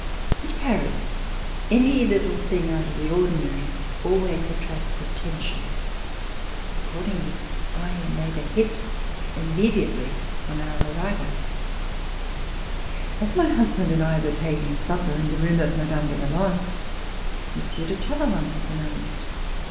At Paris any little thing out of the ordinary always attracts at tention. Accordingly, I made a hit, Immediately on our arrival. As my husband and I were taking supper in the room of Mme. de Valence, Monsieur de Talley [ 268 ] VISIT TO PARIS rand was announced.